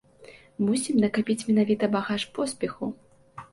Мусім накапіць менавіта багаж поспеху.